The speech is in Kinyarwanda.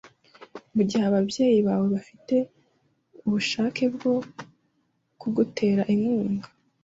mugihe ababyeyi bawe bafite ubushake bwo kugutera inkunga?